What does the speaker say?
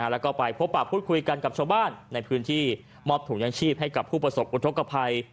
แล้วก็ไปพบปากพูดคุยกันกับชาวบ้านในพื้นที่มอบถุงยางชีพให้กับผู้ประสบอุทธกภัย